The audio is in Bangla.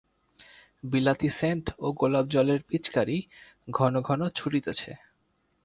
বিলাতি সেন্ট ও গোলাপ জলের পিচকারি ঘন ঘন ছুটিতেছে।